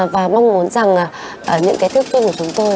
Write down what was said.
và mong muốn rằng những cái thức phim của chúng tôi